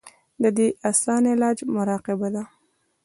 د دې اسان علاج مراقبه دے -